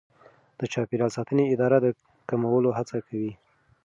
د چاپیریال ساتنې اداره د کمولو هڅه کوي.